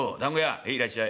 「へいいらっしゃい。